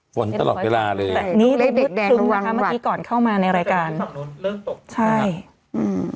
ฝนตลอดเวลาเลยนี่เมื่อก่อนเข้ามาในรายการเริ่มตกใช่อืม